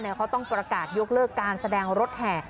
ที่จะต้องตรากาศโยคเลิกการแสดงรถแห่